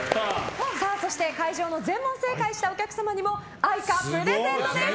そして、会場の全問正解したお客様にもＡｉｃａプレゼントです。